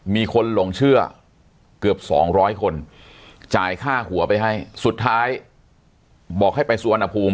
มีคนหลงเชื่อเกือบ๒๐๐คนจ่ายค่าหัวไปให้สุดท้ายบอกให้ไปสุวรรณภูมิ